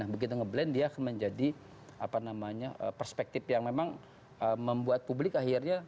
nah begitu ngeblend dia menjadi apa namanya perspektif yang memang membuat publik akhirnya